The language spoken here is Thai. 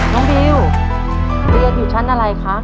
บิวเรียนอยู่ชั้นอะไรคะ